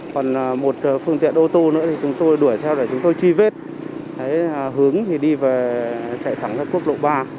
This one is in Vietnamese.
còn một phương tiện ô tô nữa chúng tôi đuổi theo để chúng tôi chi vết hướng thì đi về chạy thẳng các quốc lộ ba